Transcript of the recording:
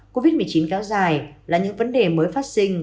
covid một mươi chín kéo dài là những vấn đề mới phát sinh